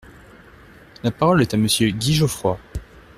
La parole est à Monsieur Guy Geoffroy.